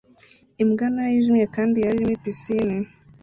Imbwa ntoya yijimye kandi yera iri muri pisine